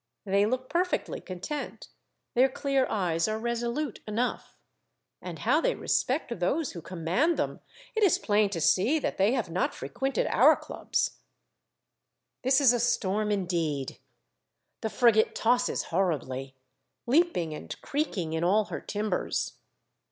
They look perfectly content, their clear eyes are resolute enough ; and how they respect those who command them ! It is plain to see that they have not fre quented our clubs ! This is a storm indeed ! The frigate tosses horribly, — leaping and creaking in all her timbers.